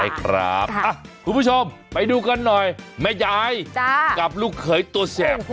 ใช่ครับคุณผู้ชมไปดูกันหน่อยแม่ยายกับลูกเขยตัวแสบ